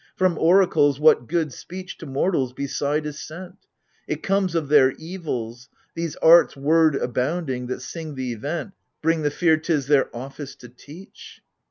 From oracles, what good speech To mortals, beside, is sent ? It comes of their evils : these arts word abounding that sing the event ^ Bring the fear 't is their office to teach.